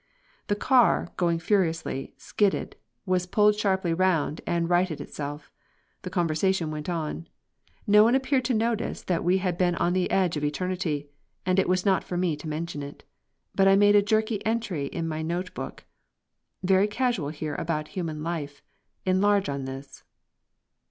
The car, going furiously, skidded, was pulled sharply round and righted itself. The conversation went on. No one appeared to notice that we had been on the edge of eternity, and it was not for me to mention it. But I made a jerky entry in my notebook: "Very casual here about human life. Enlarge on this."